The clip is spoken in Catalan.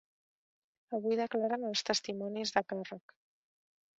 Avui declaren els testimonis de càrrec.